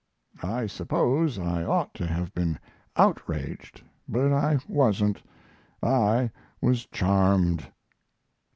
I suppose I ought to have been outraged, but I wasn't; I was charmed.